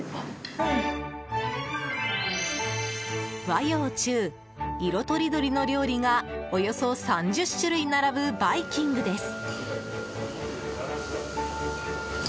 和洋中、色とりどりの料理がおよそ３０種類並ぶバイキングです。